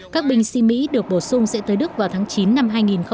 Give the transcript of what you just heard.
các binh sĩ mỹ được bổ sung sẽ tới đức vào tháng chín năm hai nghìn hai mươi